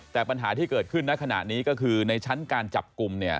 แต่ปัญหาที่เกิดขึ้นในขณะนี้ก็คือในชั้นการจับกลุ่มเนี่ย